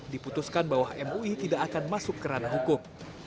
diputuskan bahwa mui tidak akan masuk kerana hukum